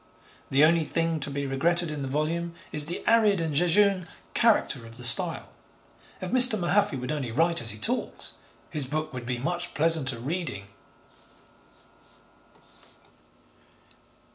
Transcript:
The only thing to be regretted in the volume is the arid and jejune character of the style. If Mr. Mahaffy would only write as he talks, his book would be much pleasanter reading.